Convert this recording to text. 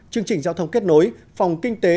chương trình giao thông kết nối phòng kinh tế